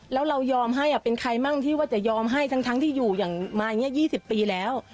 แล้วเรายอมให้เป็นใครมั่งที่ว่าจะยอมให้ทั้งที่อยู่อย่างมาอย่างนี้๒๐ปีแล้ว